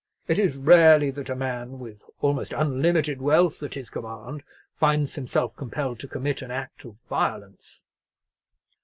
It is rarely that a man, with almost unlimited wealth at his command, finds himself compelled to commit an act of violence."